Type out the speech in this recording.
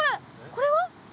これは？